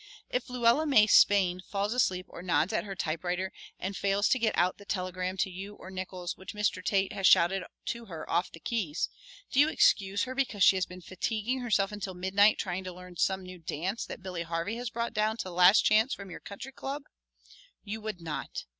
If Luella May Spain falls asleep or nods at her typewriter and fails to get out the telegram to you or Nickols which Mr. Tate has shouted to her off the keys, do you excuse her because she has been fatiguing herself until midnight trying to learn some new dance that Billy Harvey has brought down to the Last Chance from your Country Club? You would not!